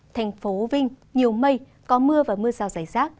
thành phố vinh nhiều mây có mưa và mưa rào rải rác